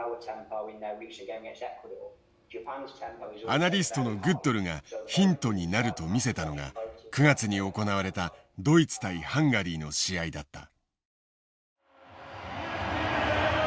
アナリストのグッドルがヒントになると見せたのが９月に行われたドイツ対ハンガリーの試合だった。